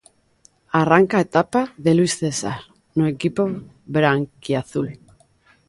Arranca a etapa de Luís César no equipo branquiazul.